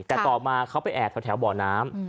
แต่ต่อมาเขาไปแอบแถวบ่อน้ำ